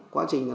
quá trình là